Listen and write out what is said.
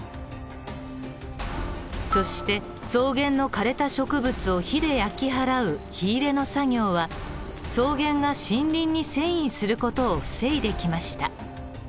そして草原の枯れた植物を火で焼き払う火入れの作業は草原が森林に遷移する事を防いできました。